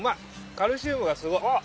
カルシウムがすごい。